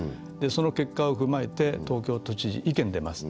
その結果を踏まえて東京都知事、意見出ます。